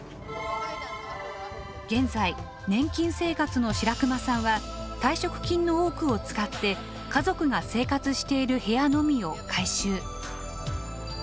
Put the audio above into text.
現在年金生活の白熊さんは退職金の多くを使って家族が生活している部屋のみを改修。